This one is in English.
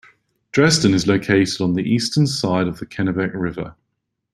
Dresden is located on the eastern side of the Kennebec River.